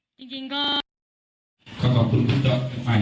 ขอบคุณคุณเจ้าใหม่